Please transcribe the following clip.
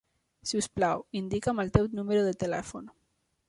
Si us plau, indica'm el teu número de telèfon.